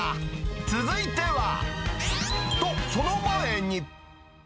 続いては。と、その前に。